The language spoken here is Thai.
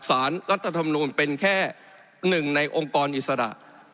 สารรัฐธรรมนูลเป็นแค่หนึ่งในองค์กรอิสระ